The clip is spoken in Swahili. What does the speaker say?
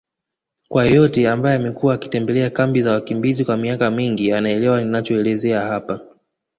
Kwa yeyote ambaye amekuwa akitembelea kambi za wakimbizi kwa miaka mingi anaelewa ninachoelezea hapa